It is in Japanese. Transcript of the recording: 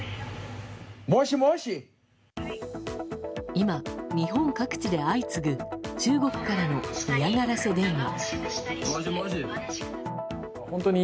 今、日本各地で相次ぐ中国からの嫌がらせ電話。